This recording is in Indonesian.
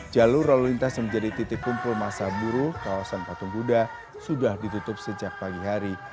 jalur lalu lintas yang menjadi titik kumpul masa buruh kawasan patung kuda sudah ditutup sejak pagi hari